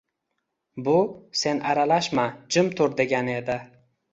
Bu “Sen aralashma, jim tur” degani edi.